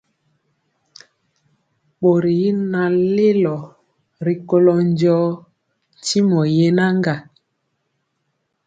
Bori y naŋ lelo rikolo njɔɔ tyimɔ yenaga.